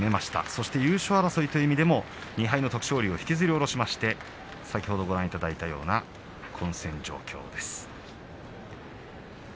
そして優勝争いという意味でも２敗の徳勝龍を引きずり降ろしまして先ほどご覧いただいたような混戦状況です。